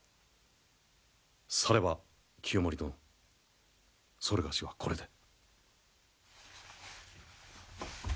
されば清盛殿それがしはこれで。